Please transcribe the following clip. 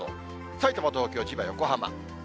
さいたま、東京、千葉、横浜。